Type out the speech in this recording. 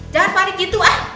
jangan panik gitu ah